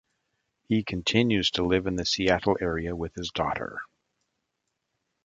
He continues to live in the Seattle area with his daughter.